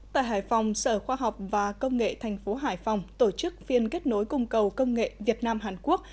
tại hải phòng sở khoa học và công nghệ thành phố hải phòng tổ chức phiên kết nối cung cầu công nghệ việt nam hàn quốc